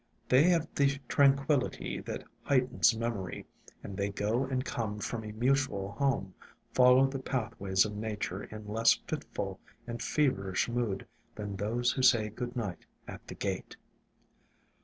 They have the tranquillity that heightens memory, and they go and come from a mutual home, follow the pathways of nature in IIO IN SILENT WOODS less fitful and feverish mood than those who say goodnight at the gate.